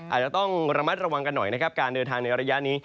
อาจจะต้องระมัดระวังกันหน่อยนะครับการเดินทางในระยะนี้